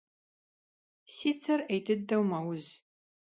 Si dzer 'êy dıdeu meuz.